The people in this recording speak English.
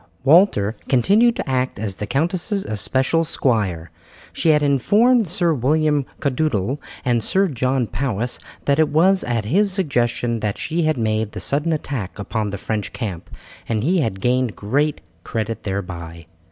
Walter continued to act as the countess's especial squire. She had informed Sir William Caddoudal and Sir John Powis that it was at his suggestion that she had made the sudden attack upon the French camp, and he had gained great credit thereby.